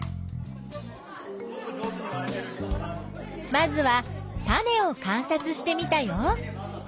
まずは種を観察してみたよ。